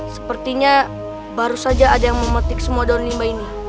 sepertinya baru saja ada yang memetik semua daun limbanya